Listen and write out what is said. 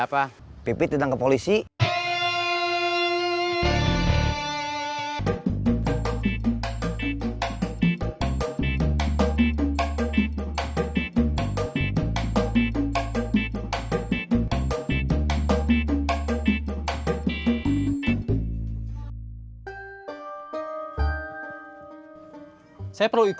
abadi mengganti peristiwamu dengan ket motivate gari